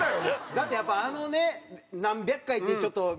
だってやっぱあのね何百回ってちょっと見た。